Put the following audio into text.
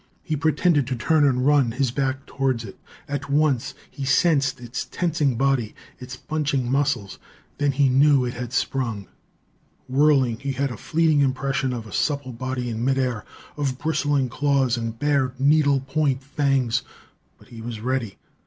He pretended to turn and run, his back towards it. At once he sensed its tensing body, its bunching muscles then knew that it had sprung. Whirling, he had a fleeting impression of a supple body in midair, of bristling claws and bared, needlepoint fangs. But he was ready.